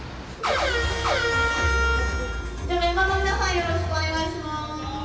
よろしくお願いします。